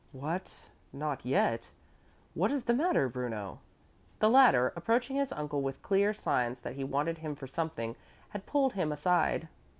What? Not yet? What is the matter, Bruno?" The latter, approaching his uncle with clear signs that he wanted him for something, had pulled him aside.